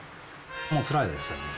もうつらいですよね。